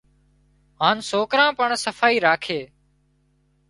هانَ سوڪران پڻ صفائي راکي